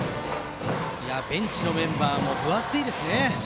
ベンチのメンバーも分厚いですね。